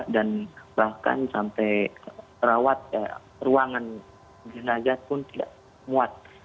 dan bahkan sampai ruangan ginagat pun tidak muat